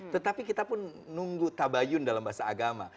tetapi kita pun nunggu tabayun dalam bahasa agama